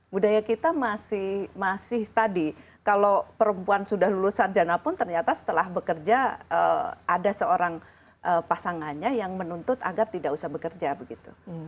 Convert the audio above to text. budaya kita masih tadi kalau perempuan sudah lulus sarjana pun ternyata setelah bekerja ada seorang pasangannya yang menuntut agar tidak usah bekerja begitu